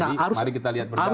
jadi mari kita lihat berbalan